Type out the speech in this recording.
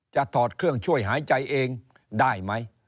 ถอดเครื่องช่วยหายใจเองได้ไหม